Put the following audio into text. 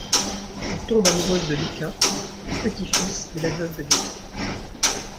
Elle tombe amoureuse de Lucas, le petit-fils de la veuve de guerre.